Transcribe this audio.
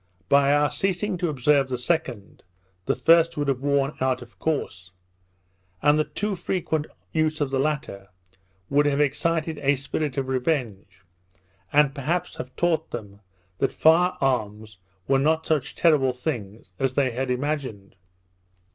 By our ceasing to observe the second; the first would have worn out of course; and the too frequent use of the latter would have excited a spirit of revenge, and perhaps have taught them that fire arms were not such terrible things as they had imagined.